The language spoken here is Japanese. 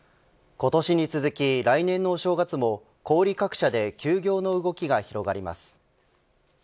今年に続き、来年のお正月も小売り各社で休業の動きが広がります。